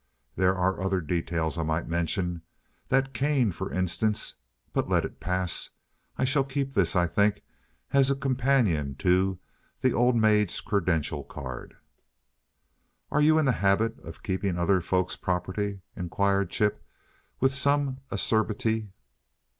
There are other details I might mention that cane, for instance but let it pass. I shall keep this, I think, as a companion to 'The old maid's credential card.'" "Are you in the habit of keeping other folk's property?" inquired Chip, with some acerbity.